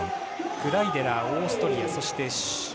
グライデラー、オーストリア。